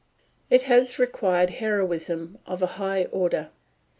It has required heroism of a high order.